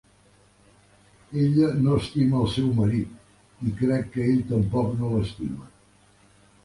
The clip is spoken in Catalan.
Ella no estima el seu marit i crec que ell tampoc no l'estima.